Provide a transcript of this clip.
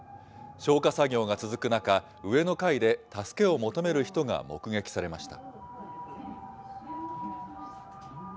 消火作業が続く中、上の階で助けを求める人が目撃されました。